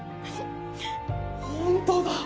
本当だ！